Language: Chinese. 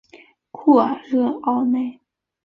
库尔热奥内。